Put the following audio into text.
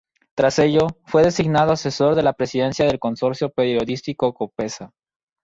Tras ello, fue designado asesor de la presidencia del consorcio periodístico Copesa.